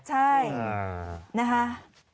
ใช่นะคะ